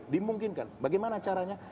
dimungkinkan bagaimana caranya